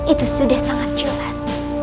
itu sudah sangat jelas